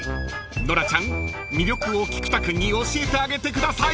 ［ノラちゃん魅力を菊田君に教えてあげてください］